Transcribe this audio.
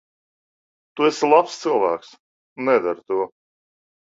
Tu esi labs cilvēks. Nedari to.